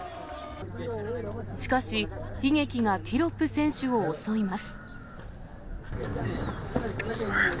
しかし、悲劇がティロップ選手を襲います。